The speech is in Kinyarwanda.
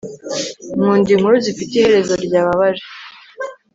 Nkunda inkuru zifite iherezo ryababaje